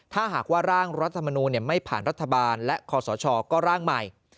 ถ้าหากว่าร่างรัฐมนูลไม่ผ่านรัฐบาลและคอสชก็ร่างใหม่